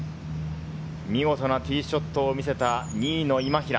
見事なティーショットを見せた２位の今平。